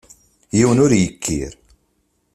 Yiwen ur yekkir.